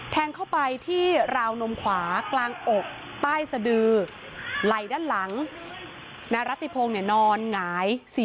แทงเข้าไปที่ราวนมขวากลางอกใต้สดือ